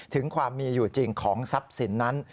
ถึงความมีอยู่จริงของทรัพย์สินนั้น